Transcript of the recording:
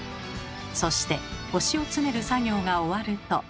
そして星を詰める作業が終わると。